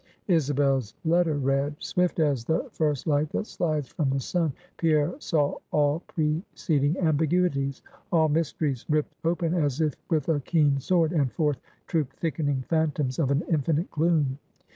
_ Isabel's letter read: swift as the first light that slides from the sun, Pierre saw all preceding ambiguities, all mysteries ripped open as if with a keen sword, and forth trooped thickening phantoms of an infinite gloom.